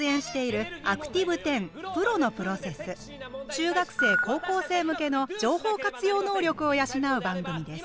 中学生・高校生向けの「情報活用能力」を養う番組です。